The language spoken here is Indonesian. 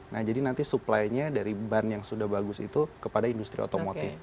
nah jadi nanti supply nya dari ban yang sudah bagus itu kepada industri otomotif